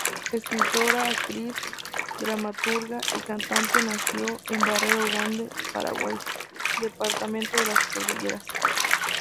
Escritora, actriz, dramaturga y cantante nació en Barrero Grande, Paraguay, departamento de las Cordilleras.